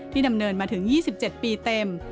ดำเนินมาถึง๒๗ปีเต็ม